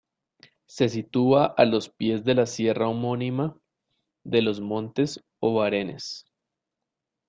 Se sitúa a los pies de la sierra homónima de los Montes Obarenes.